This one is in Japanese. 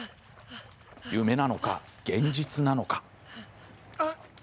夢なのか、現実なのか。